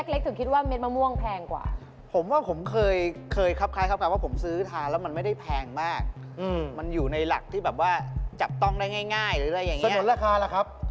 แล้วเขาทำกับพี่อีกแบบนึงหรือครับ